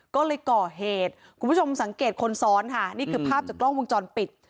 ก็เลยก่อเหตุคุณผู้ชมสังเกตคนซ้อนค่ะนี่คือภาพจากกล้องวงจรปิด